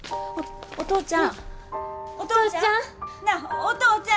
お父ちゃん！